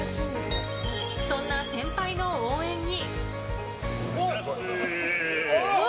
そんな先輩の応援に。